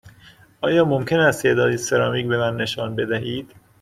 آیا ممکن است تعدادی سرامیک به من نشان بدهید؟